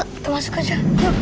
kita masuk aja